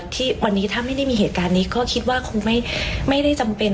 ที่วันนี้ถ้าไม่ได้มีเหตุการณ์นี้ก็คิดว่าคงไม่ได้จำเป็น